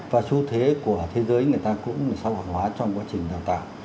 và xu thế của thế giới người ta cũng xã hội hóa trong quá trình đào tạo